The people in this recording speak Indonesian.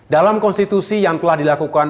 dalam konstitusi yang telah dilakukan